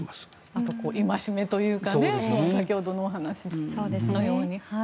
あと、戒めというか先ほどの話のように。